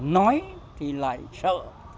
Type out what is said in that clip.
nói thì lại sợ